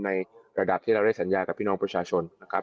ในระดับที่เราได้สัญญากับพี่น้องประชาชนนะครับ